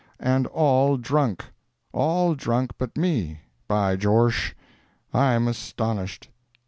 And all drunk—all drunk but me. By Georshe! I'm stonished."